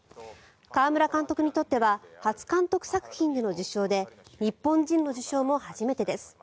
川村監督にとっては初監督作品での受賞で日本人の受賞も初めてです。